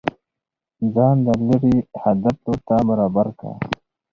ځان د ليري هدف لور ته برابر كه